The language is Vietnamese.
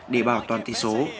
để bảo toàn tỷ số